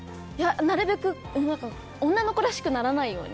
なるべく女の子らしくならないように。